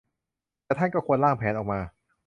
แต่ท่านก็ควรร่างแผนออกมา